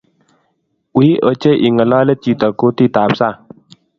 wiiy ochei ingololi chito kutitab sang